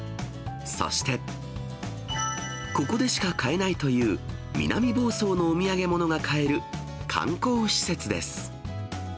そして、ここでしか買えないという南房総のお土産物が買える観光施設です。